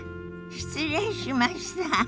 失礼しました。